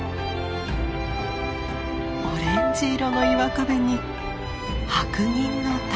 オレンジ色の岩壁に白銀の滝。